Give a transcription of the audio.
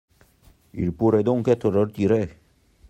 Il pourrait donc être retiré.